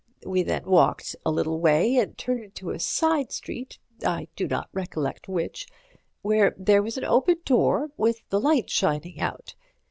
We then walked a little way, and turned into a side street (I do not recollect which) where there was an open door, with the light shining out.